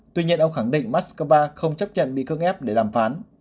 tuy nhiên ông khẳng định moscow không chấp nhận bị cương ép để làm phán